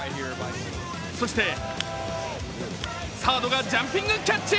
そして、サードがジャンピングキャッチ。